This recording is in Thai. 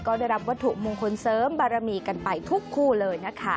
ก็ได้รับวัตถุมงคลเสริมบารมีกันไปทุกคู่เลยนะคะ